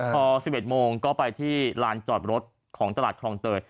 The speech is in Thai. พอ๑๑โมงก็ไปที่ลานจอดรถของตลาดคลองเตย